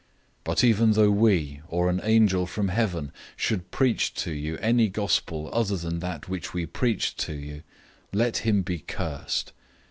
001:008 But even though we, or an angel from heaven, should preach to you any "good news" other than that which we preached to you, let him be cursed.